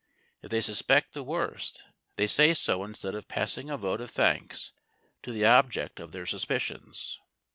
If they suspect the worst they say so instead of passing a vote of thanks to the object of their suspicions.